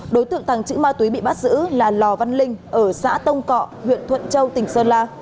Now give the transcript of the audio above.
đối tượng tàng trữ ma túy bị bắt giữ là lò văn linh ở xã tông cọ huyện thuận châu tỉnh sơn la